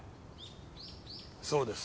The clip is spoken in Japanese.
そうです。